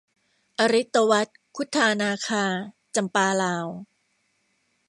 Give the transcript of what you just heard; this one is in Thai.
อริตวรรธน์ ครุฑานาคา - จำปาลาว